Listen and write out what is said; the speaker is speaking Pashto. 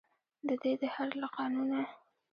ددې دهر له قانونه.